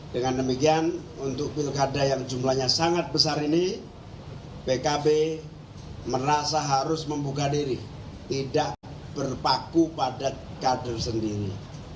dengan demikian untuk pilkada yang jumlahnya sangat besar ini pkb merasa harus membuka diri tidak berpaku pada kader sendiri